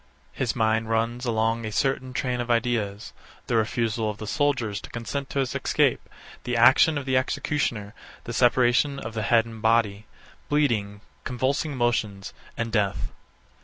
His mind runs along a certain train of ideas: The refusal of the soldiers to consent to his escape; the action of the executioner; the separation of the head and body; bleeding, convulsive motions, and death.